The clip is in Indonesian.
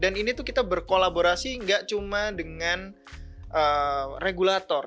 dan ini tuh kita berkolaborasi gak cuma dengan regulator